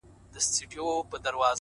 o دى وايي دا،